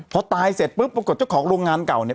พอตายเสร็จปุ๊บปรากฏเจ้าของโรงงานเก่าเนี่ย